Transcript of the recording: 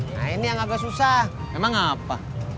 nah ini yang agak susah memang apa